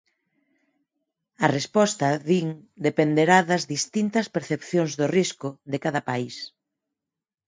A resposta, din, dependerá das "distintas percepcións do risco" de cada país.